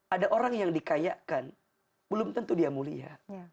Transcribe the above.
ada orang yang dikayakan belum tentu dia mulia